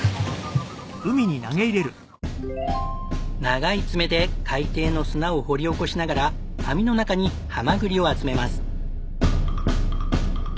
長い爪で海底の砂を掘り起こしながら網の中にハマグリを集めます。